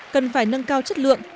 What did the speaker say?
cần phải nâng cao chất lượng